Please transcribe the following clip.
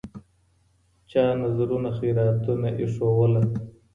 چا نذرونه خیراتونه ایښودله